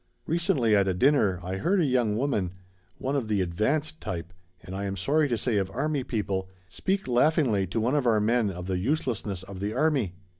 Recently at a dinner I heard a young woman, one of the 'advanced' type, and I am sorry to say of army people, speak laughingly to one of our men of the uselessness of the army.